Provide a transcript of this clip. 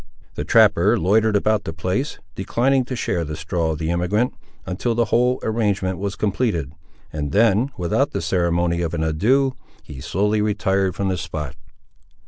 The trapper loitered about the place, declining to share the straw of the emigrant, until the whole arrangement was completed; and then, without the ceremony of an adieu, he slowly retired from the spot.